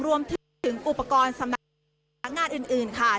รวมถึงอุปกรณ์สำหรับงานอื่นค่ะ